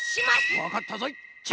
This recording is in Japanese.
わかったぞい。